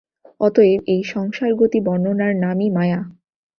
অতএব এই সংসারগতি-বর্ণনার নামই মায়া।